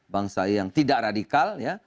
bangsa yang tidak radikal ya